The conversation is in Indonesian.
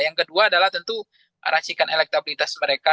yang kedua adalah tentu racikan elektabilitas mereka